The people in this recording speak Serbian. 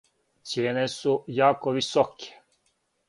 Цијене су јако високе.